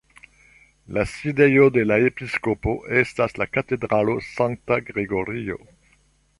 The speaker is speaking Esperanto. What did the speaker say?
La sidejo de la episkopo estas la katedralo Sankta Gregorio.